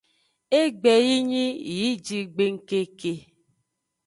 Egbe yi nyi yi jigbengkeke.